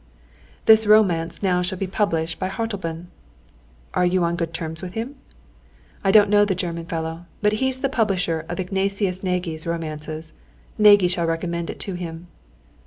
"This romance now shall be published by Hartleben." "Are you on good terms with him?" "I don't know the German fellow, but he's the publisher of Ignatius Nagy's romances, and Nagy shall recommend it to him."